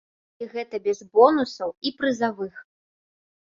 І гэта без бонусаў і прызавых.